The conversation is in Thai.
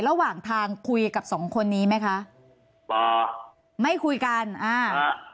ระหว่างทางคุยกับสองคนนี้ไหมคะอ่าไม่คุยกันอ่าฮะ